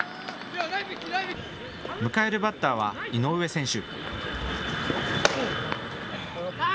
迎えるバッターは井上選手。